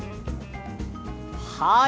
はい。